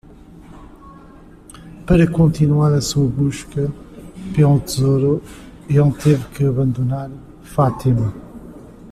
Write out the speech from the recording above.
Para continuar sua busca pelo tesouro, ele teve que abandonar Fátima.